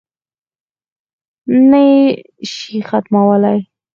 نه یې شي ختمولای.